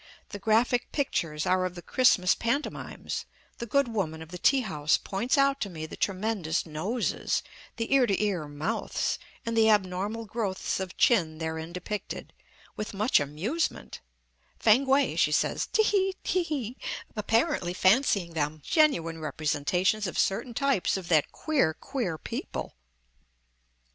The Graphic pictures are of the Christmas pantomimes; the good woman of the tea house points out to me the tremendous noses, the ear to ear mouths, and the abnormal growths of chin therein depicted, with much amusement; "Fankwae," she says, "te he, te he," apparently fancying them genuine representations of certain types of that queer, queer people.